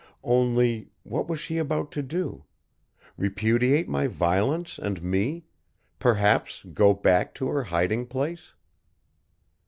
Only, what was she about to do? Repudiate my violence and me perhaps go back to her hiding place?